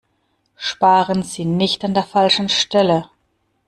Sparen Sie nicht an der falschen Stelle!